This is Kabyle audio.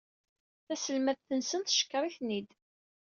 Taselmadt-nsen teckeṛ-iten-id.